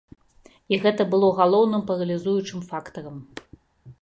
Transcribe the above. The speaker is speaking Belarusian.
І гэта было галоўным паралізуючым фактарам.